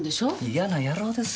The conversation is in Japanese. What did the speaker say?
嫌な野郎ですよ。